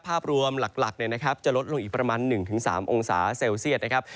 ภาพรวมหลักจะลดลงอีกประมาณ๑๓องศาเซลเซียตนะครับ